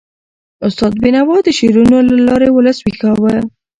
استاد بینوا د شعرونو له لارې ولس ویښاوه.